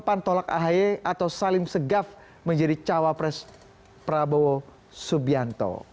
pan tolak ahy atau salim segaf menjadi cawapres prabowo subianto